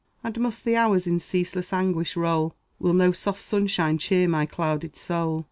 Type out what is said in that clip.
And must the hours in ceaseless anguish roll? Will no soft sunshine cheer my clouded soul?